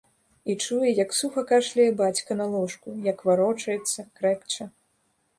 І чуе, як суха кашляе бацька на ложку, як варочаецца, крэкча.